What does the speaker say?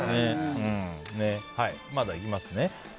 まだいきますね。